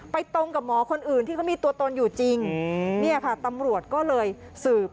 ตรงกับหมอคนอื่นที่เขามีตัวตนอยู่จริงเนี่ยค่ะตำรวจก็เลยสืบ